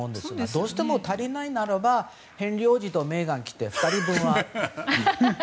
どうしても足りないならばヘンリー王子とメーガンが来て２人分は。